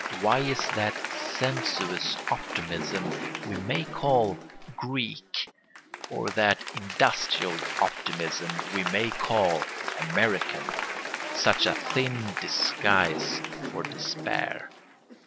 Why is that sensuous optimism we may call Greek, or that industrial optimism we may call American, such a thin disguise for despair?